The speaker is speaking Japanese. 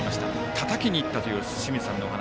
たたきにいったという清水さんのお話。